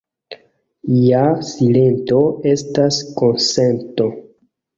Ja silento estas konsento.